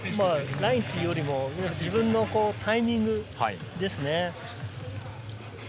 ラインというよりも自分のタイミングですね。